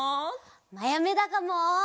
まやめだかも。